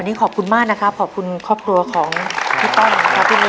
วันนี้ขอบคุณมากนะครับขอบคุณครอบครัวของพี่ต้อมนะครับ